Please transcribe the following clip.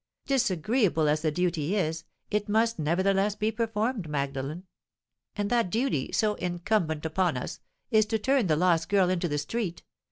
"Disagreeable as the duty is, it must nevertheless be performed, Magdalen. And that duty, so incumbent upon us, is to turn the lost girl into the street.